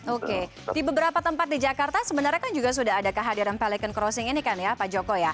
oke di beberapa tempat di jakarta sebenarnya kan juga sudah ada kehadiran pelikon crossing ini kan ya pak joko ya